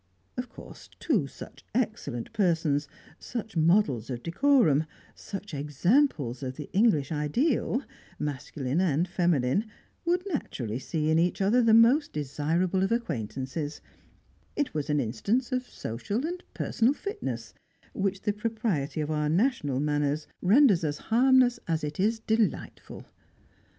Of course two such excellent persons, such models of decorum, such examples of the English ideal, masculine and feminine, would naturally see in each other the most desirable of acquaintances; it was an instance of social and personal fitness, which the propriety of our national manners renders as harmless as it is delightful.